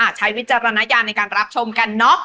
ใช้วิจารณญาณในการรับชมกันเนอะ